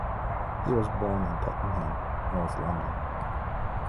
He was born in Tottenham, North London.